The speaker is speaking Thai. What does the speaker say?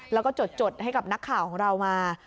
แล้วก็จดให้กับนักข่าวของเรามา